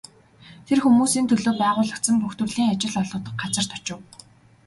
Тэр хүмүүсийн төлөө байгуулагдсан бүх төрлийн ажил олгодог газарт очив.